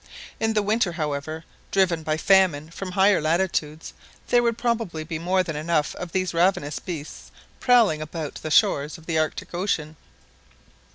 In the winter, however, driven by famine from higher latitudes, there would probably be more than enough of these ravenous beasts prowling about the shores of the Arctic Ocean.